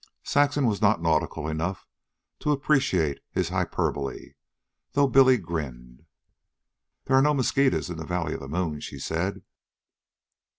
Saxon was not nautical enough to appreciate his hyperbole, though Billy grinned. "There are no mosquitoes in the valley of the moon," she said.